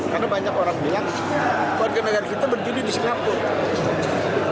karena banyak orang bilang buat ke negara kita berjudi di singapura